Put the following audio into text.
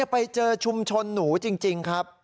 ไปเจอชุมชนหนูจริงครับ